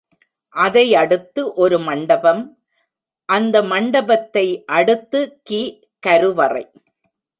அதை அடுத்து ஒரு மண்டபம், அந்த மண்டபத்தை அடுத்துகி கருவறை.